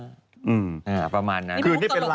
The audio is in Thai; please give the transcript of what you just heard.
นะฮะประมาณนั้น